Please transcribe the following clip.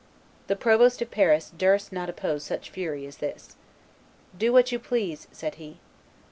'" The provost of Paris durst not oppose such fury as this. "Do what you please," said he.